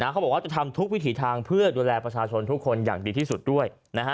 เขาบอกว่าจะทำทุกวิถีทางเพื่อดูแลประชาชนทุกคนอย่างดีที่สุดด้วย